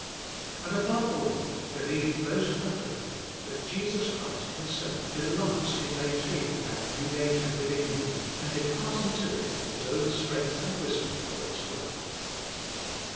And above all, believe most confidently that Jesus Christ Himself delights in maintaining that new nature within you, and imparting to it His own strength and wisdom for its work.